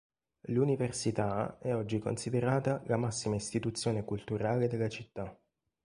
L'università è oggi considerata la massima istituzione culturale della città.